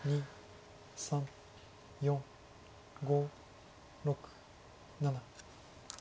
３４５６７。